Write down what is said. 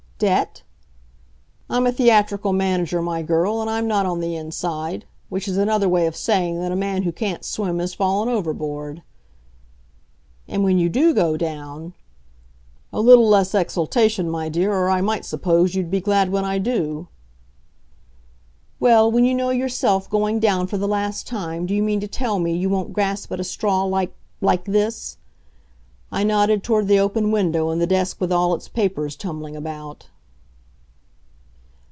"Debt?" "I'm a theatrical manager, my girl, and I'm not on the inside: which is another way of saying that a man who can't swim has fallen overboard." "And when you do go down " "A little less exultation, my dear, or I might suppose you'd be glad when I do." "Well, when you know yourself going down for the last time, do you mean to tell me you won't grasp at a straw like like this?" I nodded toward the open window, and the desk with all its papers tumbling out.